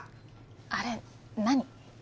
あれ何？